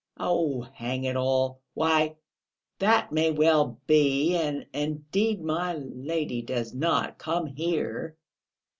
"Oh, hang it all! Why, that may well be.... And, indeed, my lady does not come here!"